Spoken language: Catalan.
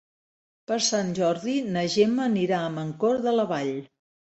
Per Sant Jordi na Gemma anirà a Mancor de la Vall.